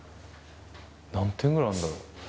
何点ぐらいあるんだろう。